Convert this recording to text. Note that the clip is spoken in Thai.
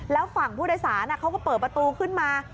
แล้วฝั่งผู้โดยสารเขาก็เปิดประตูขึ้นมา